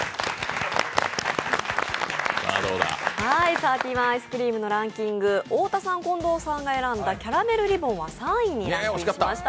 サーティワンアイスクリームのランキング太田さん、近藤さんが選んだキャラメルリボンは３位でした。